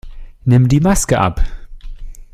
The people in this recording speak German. Nimm die Maske ab!